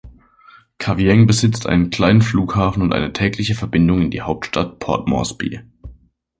Kavieng besitzt einen kleinen Flughafen und eine tägliche Verbindung in die Hauptstadt Port Moresby.